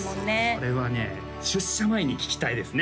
これはね出社前に聴きたいですね